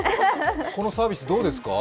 このサービス、どうですか？